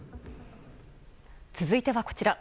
続いては、こちら。